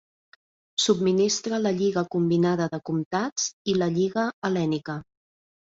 Subministra la Lliga Combinada de Comtats i la Lliga Hel·lènica.